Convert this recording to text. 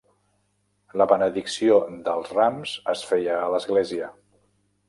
La benedicció dels rams es feia a l'església.